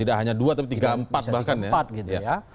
tidak hanya dua tapi tiga empat bahkan ya